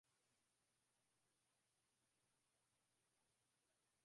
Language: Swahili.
ni mchezo wa timu ya simba kutoka tanzania